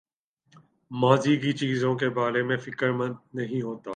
ماضی کی چیزوں کے بارے میں فکر مند نہیں ہوتا